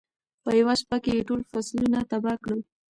په یوه شپه کې یې ټول فصلونه تباه کړل.